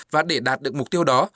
và để đạt được mục tiêu đó